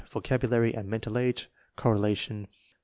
VOCABULABY AND MENTAL AQB. (Correlation +.